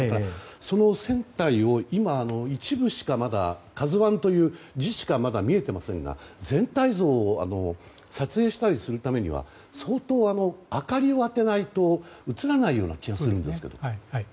その船体を今、一部しかまだ「ＫＡＺＵ１」という字しか見えていませんが全体像を撮影したりするためには相当、明かりを当てないと映らないような気がするんですけど。